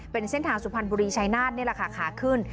เป็นเส้นทางสุพรรณบุรีชายนาฏนี่แหละค่ะขาขึ้น